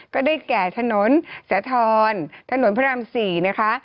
ก็ได้แก่ถนนสาธรณ์ถนนพระราม๔นะคะ